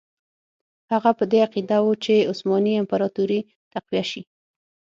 هغه په دې عقیده وو چې عثماني امپراطوري تقویه شي.